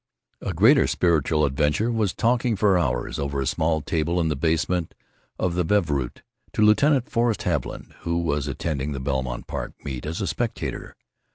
A greater spiritual adventure was talking for hours, over a small table in the basement of the Brevoort, to Lieutenant Forrest Haviland, who was attending the Belmont Park Meet as spectator.